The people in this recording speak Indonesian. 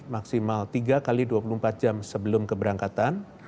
maksimal tiga x dua puluh empat jam sebelum keberangkatan